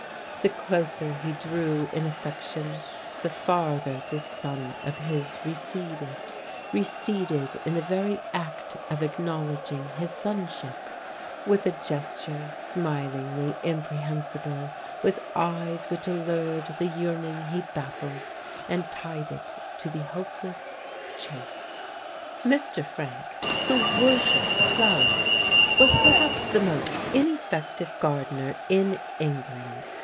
The closer he drew in affection, the farther this son of his receded, receded in the very act of acknowledging his sonship with a gesture, smilingly imprehensible; with eyes which allured the yearning he baffled, and tied it to the hopeless chase. Mr. Frank, who worshipped flowers, was perhaps the most ineffective gardener in England.